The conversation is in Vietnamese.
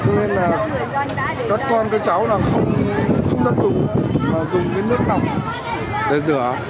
nên là các con các cháu không thật dùng nước nào để rửa